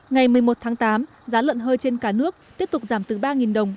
ngày một mươi một tháng tám giá lợn hơi trên cả nước tiếp tục giảm từ ba đồng